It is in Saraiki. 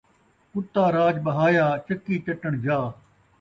کتا راج ٻہایا ، چکی چٹݨ جا